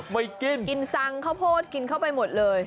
ไม่กินกินซังข้าวโพดกินเข้าไปหมดเลย